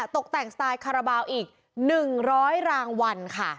ตกแต่งสไตล์คาราบาลอีก๑๐๐รางวัลค่ะ